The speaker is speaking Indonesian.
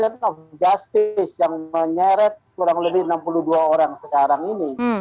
ini adalah perjalanan ke justis yang menyeret kurang lebih enam puluh dua orang sekarang ini